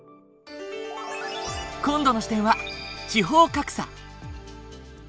今度の視点は地方格差。